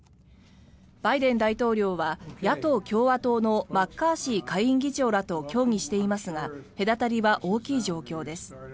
バイデン大統領は野党・共和党のマッカーシー下院議長らと協議していますが隔たりは大きい状況です。